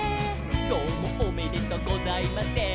「どうもおめでとうございません」